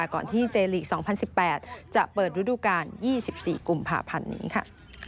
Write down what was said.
ก่อนที่เจลีก๒๐๑๘จะเปิดฤดูกาล๒๔กุมภาพันธ์นี้ค่ะ